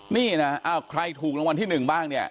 นี่นะใครถูกรางวัลที่๑บ้างเนี่ย